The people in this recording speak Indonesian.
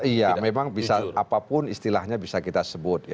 iya memang bisa apapun istilahnya bisa kita sebut ya